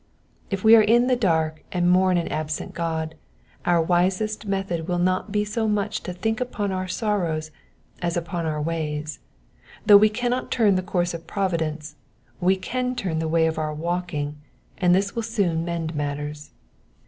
If we are in the dark, and mourn an absent God, our wisest method will be not so much to think upon our sorrows as upon our ways : though we cannot turn the course of providence, we can turn the way of our walking, and this will soon mend matters.